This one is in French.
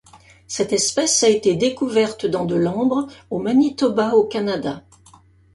Cette espèce a été découverte dans de l'ambre au Manitoba au Canada.